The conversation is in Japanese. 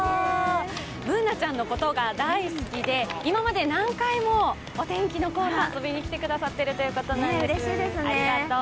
Ｂｏｏｎａちゃんのことが大好きで、今まで何回もお天気のコーナー、遊びに来てくださっているということです。